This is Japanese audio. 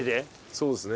そうですね。